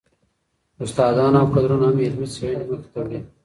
استادان او کدرونه هم علمي څېړني مخي ته وړي.